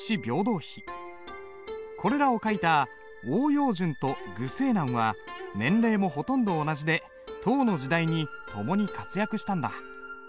これらを書いた欧陽詢と虞世南は年齢もほとんど同じで唐の時代に共に活躍したんだ。